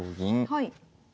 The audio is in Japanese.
はい。